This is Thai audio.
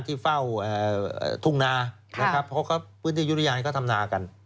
ที่เฝ้าทุ่งนานะครับเพราะพื้นที่ยุริยานเขาทำนากัน